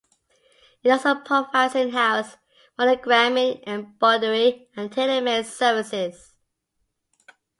It also provides in-house monogramming, embroidery and tailor-made services.